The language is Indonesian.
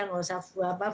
nggak usah flu ya